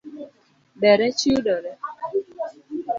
Be rech yudore?